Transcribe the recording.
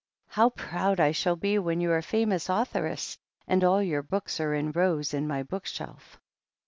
How proud I shall 'be when you're a famous juthoress, and all your books are in rows in my bookshelf.